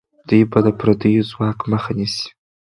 دوی به د پردیو ځواک مخه نیسي.